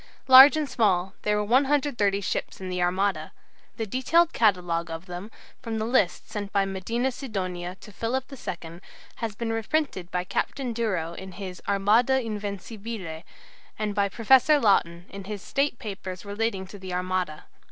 Large and small, there were 130 ships in the Armada. The detailed catalogue of them, from the list sent by Medina Sidonia to Philip II, has been reprinted by Captain Duro in his "Armada Invencibile," and by Professor Laughton in his "State Papers relating to the Armada."